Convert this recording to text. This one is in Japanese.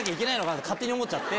って勝手に思っちゃって。